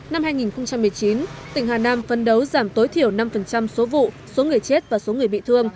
năm hai nghìn một mươi chín tỉnh hà nam phân đấu giảm tối thiểu năm số vụ số người chết và số người bị thương